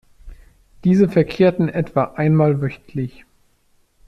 Diese verkehrten etwa einmal wöchentlich.